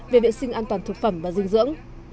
về vệ sinh an toàn thực phẩm và dinh dưỡng